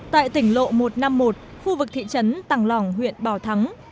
tại tỉnh lộ một trăm năm mươi một khu vực thị trấn tàng lòng huyện bò thắng